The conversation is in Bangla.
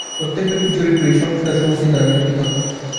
প্রত্যেক ব্যক্তির চরিত্র এই সংস্কার-সমষ্টির দ্বারা নিরূপিত হয়।